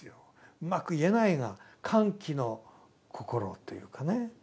うまく言えないが歓喜のこころというかね。